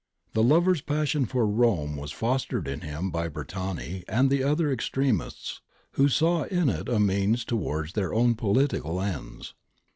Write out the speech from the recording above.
The lover's passion for Rome was fostered in him by Bertani and the other extremists, who saw in it a means towards their own political ends.